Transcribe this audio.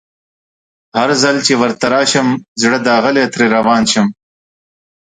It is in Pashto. هرځل چي ورته راشم زړه داغلی ترې روان شم